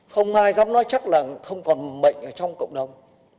không ai dám nói chắc là không còn bệnh ở trong cộng đồng